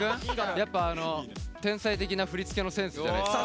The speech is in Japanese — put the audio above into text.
やっぱあの天才的な振り付けのセンスじゃないっすか。